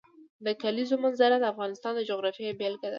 د کلیزو منظره د افغانستان د جغرافیې بېلګه ده.